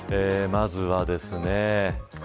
まずはですね。